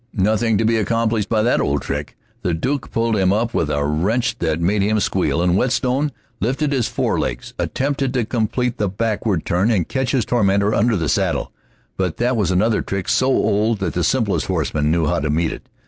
Nothing to be accomplished by that old trick. The Duke pulled him up with a wrench that made him squeal, and Whetstone, lifted off his forelegs, attempted to complete the backward turn and catch his tormentor under the saddle. But that was another trick so old that the simplest horseman knew how to meet it.